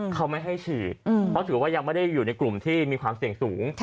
เขาไม่ให้ฉีดเพราะถือว่ายังไม่ได้อยู่ในกลุ่มที่มีความเสี่ยงสูง